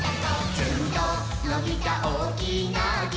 「ヅンとのびたおおきなき」